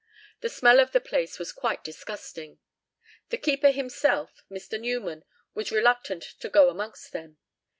The smell of the place was quite disgusting. The keeper himself, Mr. Newman, was reluctant to go amongst them.